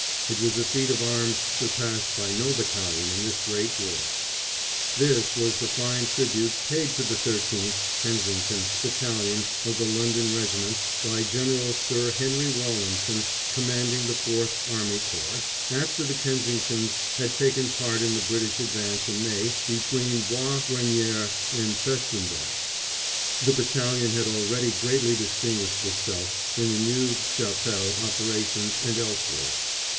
It was a feat of arms surpassed by no battalion in this great war." This was the fine tribute paid to the 13th (Kensington) Battalion of the London Regiment by General Sir Henry Rawlinson, commanding the 4th Army Corps, after the Kensingtons had taken part in the British advance in May between Bois Grenier and Festubert. The battalion had already greatly distinguished itself in the Neuve Chapelle operations and elsewhere.